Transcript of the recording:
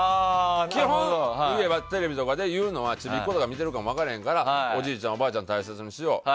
基本、テレビとかで言うのはちびっことか見てるか分からへんからおじいちゃん、おばあちゃんを大切にしよう。